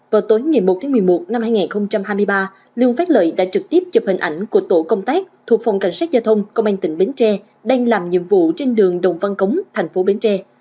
vào tối ngày một tháng một mươi một năm hai nghìn hai mươi ba lương phát lợi đã trực tiếp chụp hình ảnh của tổ công tác thuộc phòng cảnh sát giao thông công an tỉnh bến tre đang làm nhiệm vụ trên đường đồng văn cống thành phố bến tre